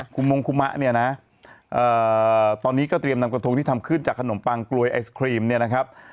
คุณมงคุมะเนี่ยนะตอนนี้ก็เตรียมนำกระทงที่ทำขึ้นจากขนมปังกลวยไอศครีมเนี่ยนะครับ